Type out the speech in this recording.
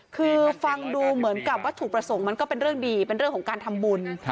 คือฟังดูเหมือนกับวัตถุประสงค์มันก็เป็นเรื่องดีเป็นเรื่องของการทำบุญ